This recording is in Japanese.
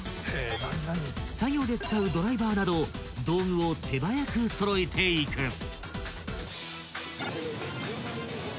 ［作業で使うドライバーなど道具を手早く揃えていく］